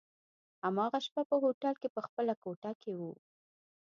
هماغه شپه په هوټل کي په خپله کوټه کي وو.